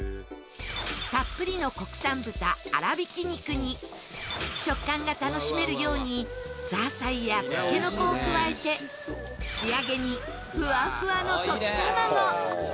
たっぷりの国産豚あらびき肉に食感が楽しめるようにザーサイやたけのこを加えて仕上げにふわふわの溶き卵。